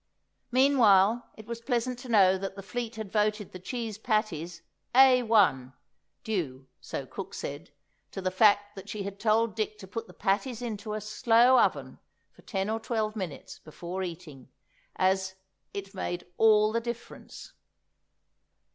Meanwhile it was pleasant to know that the fleet had voted the cheese patties "A 1," due, so cook said, to the fact that she had told Dick to put the patties into a slow oven for ten or twelve minutes before eating, as "it made all the difference."